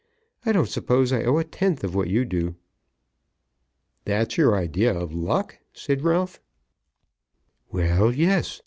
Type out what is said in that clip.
I don't suppose I owe a tenth of what you do." "That's your idea of luck?" said Ralph. "Well; yes.